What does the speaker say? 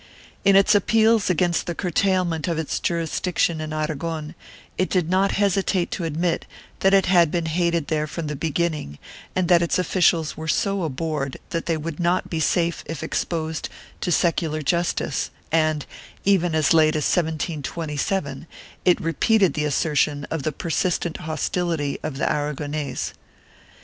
In its appeals against the curtailment of its jurisdiction in Aragon, it did not hesitate to admit that it had been hated there from the beginning and that its officials were so abhorred that they would not be safe if exposed to secular justice and, even as late as 1727, it repeated the assertion of the persistent hostility of the Aragonese.